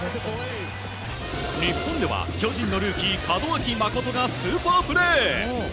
日本では巨人のルーキー門脇誠がスーパープレー！